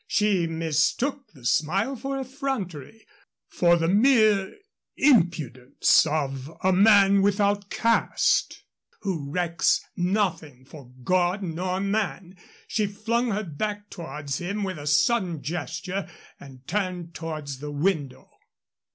She mistook the smile for effrontery for the mere impudence of a man without caste who recks nothing for God or man. She flung her back towards him with a sudden gesture and turned towards the window.